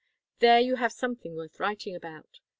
There you have something worth writing about!